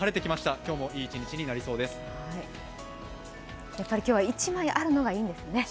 今日は１枚あるのがいいんですね。